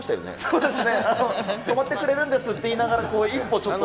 そうですね、止まってくれるんですって言いながら、一歩ちょっと。